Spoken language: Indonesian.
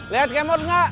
liat sikemon ga